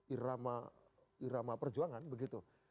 irama irama perjuangan begitu